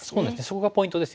そこがポイントですよね。